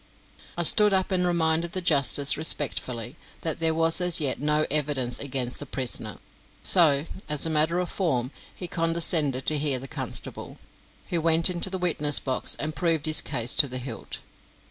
I stood up and reminded the justice respectfully that there was as yet no evidence against the prisoner, so, as a matter of form, he condescended to hear the constable, who went into the witness box and proved his case to the hilt.